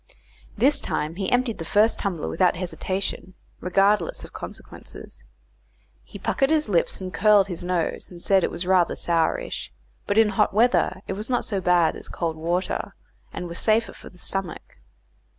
This time he emptied the first tumbler without hesitation, regardless of consequences. He puckered his lips and curled his nose, and said it was rather sourish; but in hot weather it was not so bad as cold water, and was safer for the stomach.